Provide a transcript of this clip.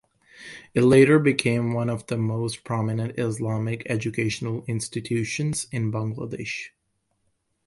It later became one of the most prominent Islamic educational institutions in Bangladesh.